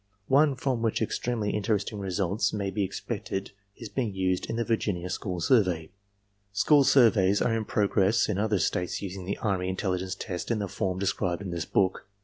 One from which extremely interesting results may be expected is being used in the Virginia School Survey. School surveys are in progress in other states using the army intelli gence test in the form described in this book.